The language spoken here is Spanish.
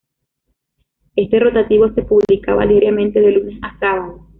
Este rotativo se publicaba diariamente de lunes a sábado.